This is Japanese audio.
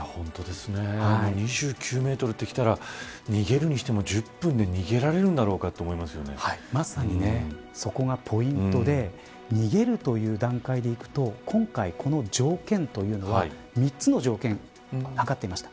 ２９メートルときたら逃げるにしても１０分で逃げられるんだろうかまさに、そこがポイントで逃げるという段階でいくと今回、この条件というのは３つの条件がかかっていました。